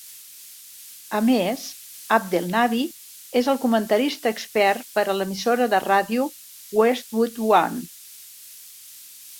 A més, Abdelnaby és el comentarista expert per a l'emissora de ràdio Westwood One.